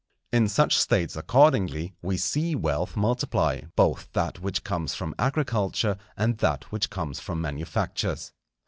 In such States, accordingly, we see wealth multiply, both that which comes from agriculture and that which comes from manufactures.